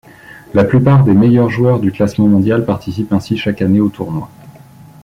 La plupart des meilleurs joueurs du classement mondial participent ainsi chaque année au tournoi.